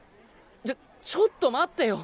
ちょちょっと待ってよ。